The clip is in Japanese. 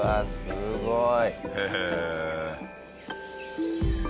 すごい！